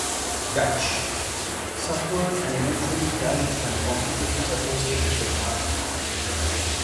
"Dutch" suffered and eventually died from complications associated with asthma.